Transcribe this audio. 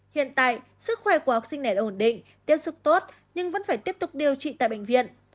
hiện tại sức khỏe của học sinh này đã ổn định tiếp xúc tốt nhưng vẫn phải tiếp tục điều trị tại bệnh viện